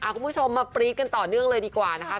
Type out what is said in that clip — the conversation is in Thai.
คุณผู้ชมมาปรี๊ดกันต่อเนื่องเลยดีกว่านะคะ